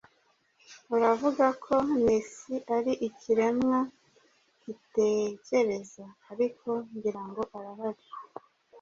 Uravuga ko Nessie ari ikiremwa gitekereza, ariko ngira ngo arahari.